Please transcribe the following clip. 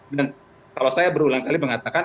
dan kalau saya berulang kali mengatakan